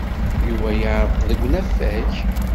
Yuba yeɛreq deg usafag.